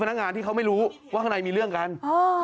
พนักงานด้วยเดี๋ยวฟังเสียวพนักงานฮะ